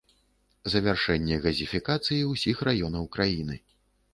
Завяршэнне газіфікацыі ўсіх раёнаў краіны.